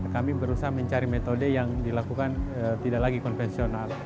kami berusaha mencari metode yang dilakukan tidak lagi konvensional